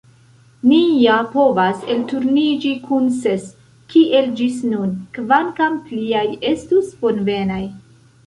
Ni ja povas elturniĝi kun ses, kiel ĝis nun, kvankam pliaj estus bonvenaj.